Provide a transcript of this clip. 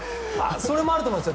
それもあると思うんですよ。